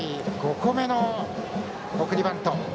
５個目の送りバント。